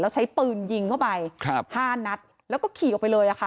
แล้วใช้ปืนยิงเข้าไป๕นัดแล้วก็ขี่ออกไปเลยค่ะ